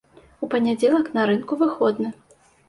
У панядзелак на рынку выходны.